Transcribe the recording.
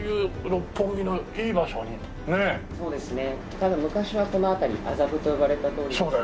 多分昔はこの辺り麻布と呼ばれた通りで。